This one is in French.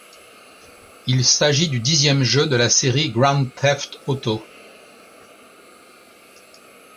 Il s'agit du dixième jeu de la série Grand Theft Auto.